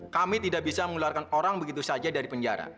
kami tidak bisa mengeluarkan orang begitu saja dari penjara